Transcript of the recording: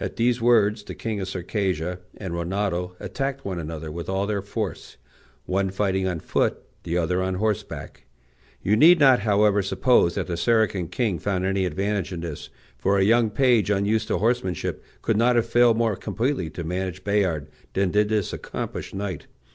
At these words the king of Circassia and Rinaldo attacked one another with all their force, one fighting on foot, the other on horseback. You need not, however, suppose that the Saracen king found any advantage in this; for a young page, unused to horsemanship, could not have failed more completely to manage Bayard than did this accomplished knight.